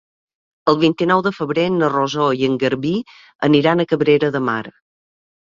El vint-i-nou de febrer na Rosó i en Garbí aniran a Cabrera de Mar.